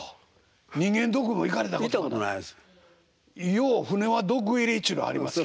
よう船はドック入りちゅうのありますけど。